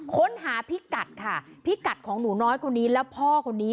ค้นหาพิกัดค่ะพิกัดของหนูน้อยคนนี้และพ่อคนนี้